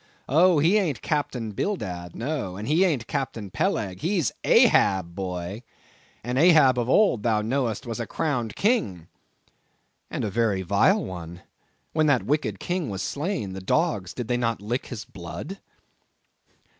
Oh! he ain't Captain Bildad; no, and he ain't Captain Peleg; he's Ahab, boy; and Ahab of old, thou knowest, was a crowned king!" "And a very vile one. When that wicked king was slain, the dogs, did they not lick his blood?"